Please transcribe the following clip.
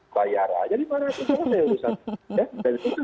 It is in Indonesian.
kalau saya usah dan itu